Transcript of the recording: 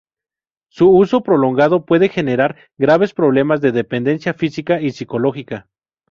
Su uso prolongado puede generar graves problemas de dependencia física y psicológica.